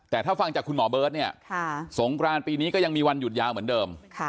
แต่ถ้าฟังจากคุณหมอเบิร์ตเนี่ยสงกรานปีนี้ก็ยังมีวันหยุดยาวเหมือนเดิม